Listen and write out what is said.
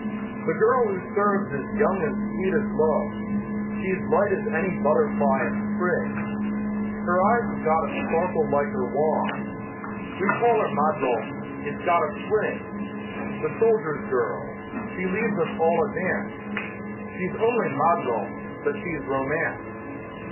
The girl who serves is young and sweet as love, She's light as any butterfly in Spring, Her eyes have got a sparkle like her wine. We call her Madelon it's got a swing! The soldiers' girl! She leads us all a dance! She's only Madelon, but she's Romance!